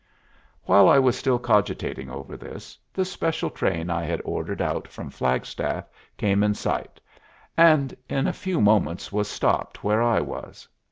While I was still cogitating over this, the special train I had ordered out from Flagstaff came in sight, and in a few moments was stopped where I was.